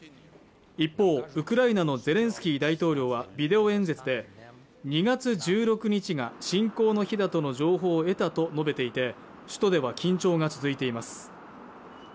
一方ウクライナのゼレンスキー大統領はビデオ演説で２月１６日が侵攻の日だとの情報を得たと述べていて首都では緊張が続いています